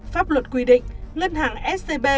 pháp luật quy định ngân hàng scb